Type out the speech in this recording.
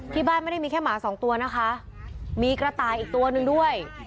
ที่บ้านไม่ได้มีแค่หมาสองตัวนะคะมีกระต่ายอีกตัวหนึ่งด้วย